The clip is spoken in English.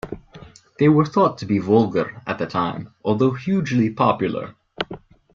They were thought to be vulgar at the time, although hugely popular.